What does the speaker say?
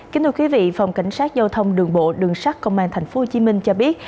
kính thưa quý vị phòng cảnh sát giao thông đường bộ đường sắt công an tp hcm cho biết